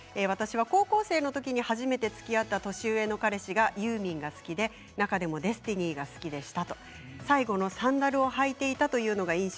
高校生の時に初めてつきあった年上の彼氏がユーミンが好きで中でも「ＤＥＳＴＩＮＹ」が好きでした。